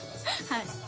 はい。